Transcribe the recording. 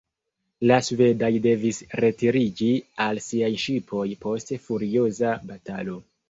La svedoj devis retiriĝi al siaj ŝipoj post furioza batalo.